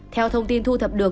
theo thông tin thu thập được